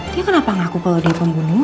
dia kenapa ngaku kalau dia pembunuh